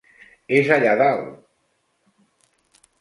És allà dalt!